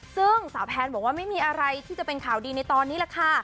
ซึ่งสาวแพนบอกว่าไม่มีอะไรที่จะเป็นข่าวดีในตอนนี้แหละค่ะ